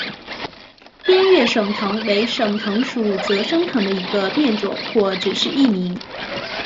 滇越省藤为省藤属泽生藤的一个变种或只是异名。